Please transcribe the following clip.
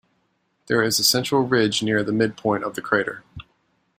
There is a central ridge near the midpoint of the crater.